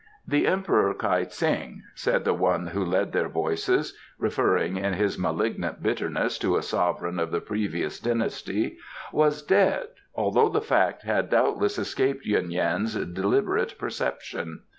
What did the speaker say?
The Emperor Kai tsing, said the one who led their voices (referring in his malignant bitterness to a sovereign of the previous dynasty), was dead, although the fact had doubtless escaped Yuen Yan's deliberate perception.